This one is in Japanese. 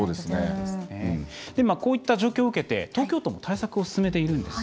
こういった状況を受けて東京都も対策を進めているんです。